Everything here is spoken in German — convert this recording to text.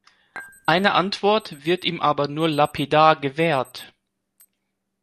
Eine Antwort wird ihm aber nur lapidar gewährt.